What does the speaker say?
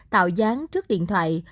tạo dáng trước điện thoại